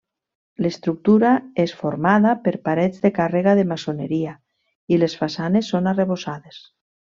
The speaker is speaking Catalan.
L'estructura és formada per parets de càrrega de maçoneria i les façanes són arrebossades.